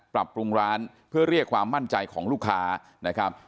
ปรับปรุงร้านเพื่อเรียกความมั่นใจของลูกค้านะครับ